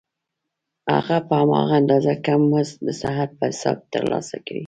هغه په هماغه اندازه کم مزد د ساعت په حساب ترلاسه کوي